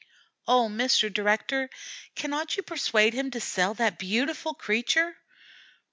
"Oh, Mr. Director, cannot you persuade him to sell that beautiful creature?"